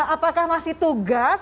apakah masih tugas